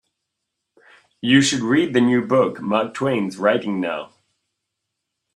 You should read the new book Mark Twain's writing now.